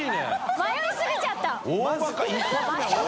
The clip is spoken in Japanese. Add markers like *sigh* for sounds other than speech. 迷いすぎちゃった *laughs*